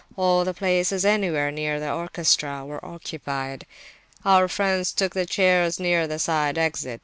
All the places anywhere near the orchestra were occupied. Our friends took chairs near the side exit.